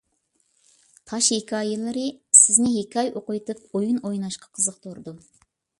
«تاش ھېكايىلىرى» سىزنى ھېكايە ئوقۇۋېتىپ ئويۇن ئويناشقا قىزىقتۇرىدۇ.